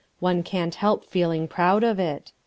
One can't help feeling proud of it.